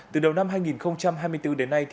từ đầu năm hai nghìn hai mươi bốn đến nay